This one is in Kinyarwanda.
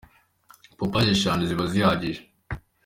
pompaje eshanu ziba zihagije.